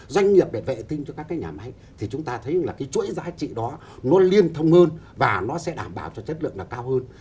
doanh nghiệp để vệ tinh cho các cái nhà máy thì chúng ta thấy là cái chuỗi giá trị đó nó liên thông hơn và nó sẽ đảm bảo cho chất lượng là cao hơn